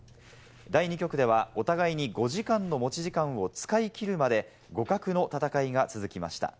第２局ではお互いに５時間の持ち時間を使い切るまで互角の戦いが続きました。